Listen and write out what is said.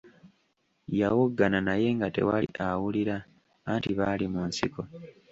Yawoggana naye nga tewali awulira anti baali mu nsiko.